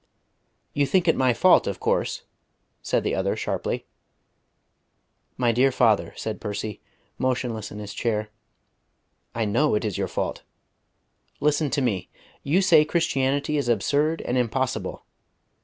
"You think it my fault, of course," said the other sharply. "My dear father," said Percy, motionless in his chair, "I know it is your fault. Listen to me. You say Christianity is absurd and impossible.